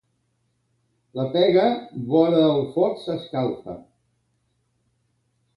La pega vora el foc s'escalfa.